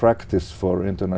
và chắc chắn là